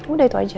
udah itu aja